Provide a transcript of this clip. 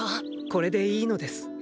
これでいいのです。